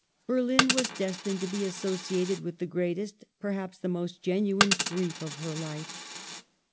Berlin was destined to be associated with the greatest, perhaps the most genuine, grief of her life.